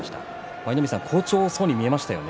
舞の海さん好調そうに見えましたよね。